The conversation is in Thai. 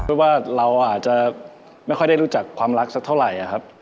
เพราะว่าเราอาจจะไม่ค่อยได้รู้จักความรักสักเท่าไหร่ครับ